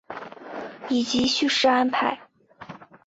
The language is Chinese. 以及叙事安排